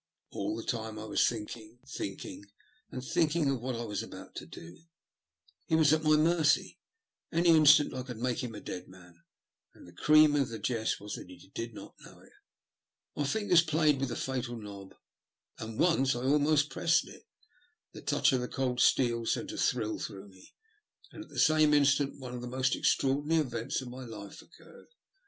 All the time I was thinking, thinking, and thinking of what I was about to do. He was at my mercy ; any instant I could [make him a dead man, and the cream of the jest was that he did not know it. My fingers played with the fatal knob, and once I almost pressed it. The touch of the cold steel sent a thrill through me, and at the same instant one of the most extraordinary events of my life occurred.